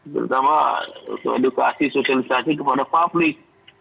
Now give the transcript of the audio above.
terutama untuk edukasi sosialisasi kepada publik